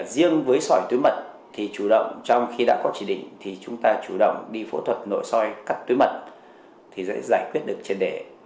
riêng với sỏi túi mật thì chủ động trong khi đã có chỉ định thì chúng ta chủ động đi phẫu thuật nội soi cắt tứ mật thì sẽ giải quyết được trên đề